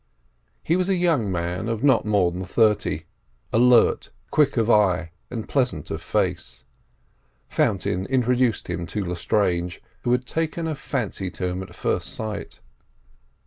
He was a young man of not more than thirty, alert, quick of eye, and pleasant of face. Fountain introduced him to Lestrange, who had taken a fancy to him at first sight.